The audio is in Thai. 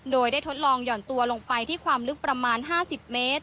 โดยได้ทดลองหย่อนตัวลงไปที่ความลึกประมาณ๕๐เมตร